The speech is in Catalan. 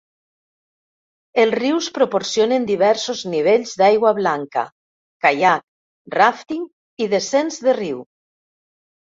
Els rius proporcionen diversos nivells d"aigua blanca, caiac, ràfting i descens de riu.